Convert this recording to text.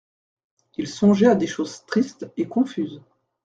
Il songeait à des choses tristes et confuses.